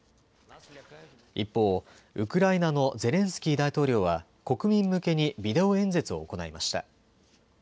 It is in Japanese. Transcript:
一方、ウクライナのゼレンスキー大統領は国民向けにビデオ演説を行いました。